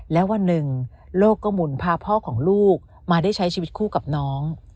และวันหนึ่งโลกก็หมุนพาพ่อของลูกมาได้ใช้ชีวิตคู่กับน้อง